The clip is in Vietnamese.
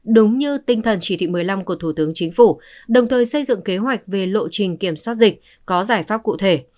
đúng như tinh thần chỉ thị một mươi năm của thủ tướng chính phủ đồng thời xây dựng kế hoạch về lộ trình kiểm soát dịch có giải pháp cụ thể